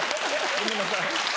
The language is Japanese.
ごめんなさい。